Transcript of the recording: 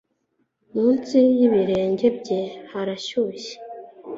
Munsi y'ibirenge bye harashyushye